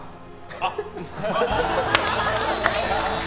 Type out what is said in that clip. あっ。